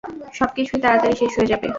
সবকিছুই তাড়াতাড়ি শেষ হয়ে যাবে।